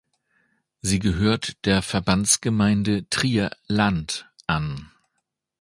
Sie gehört der Verbandsgemeinde Trier-Land an.